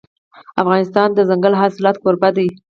افغانستان د دځنګل حاصلات کوربه دی.